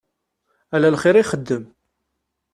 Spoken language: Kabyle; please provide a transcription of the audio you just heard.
Ala lxir i ixeddem.